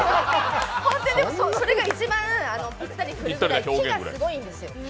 本当にそれが一番ぴったりするぐらい、木がすごいんです。